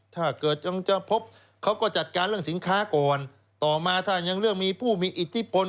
ถ้าเกิดยังจะพบเขาก็จัดการเรื่องสินค้าก่อนต่อมาถ้ายังเรื่องมีผู้มีอิทธิพล